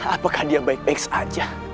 apakah dia baik baik saja